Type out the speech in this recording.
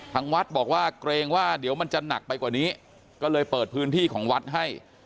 ทางวัดบอกว่าเกรงว่าเดี๋ยวมันจะหนักไปกว่านี้ก็เลยเปิดพื้นที่ของวัดให้